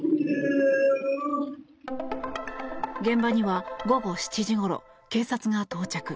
現場には午後７時ごろ警察が到着。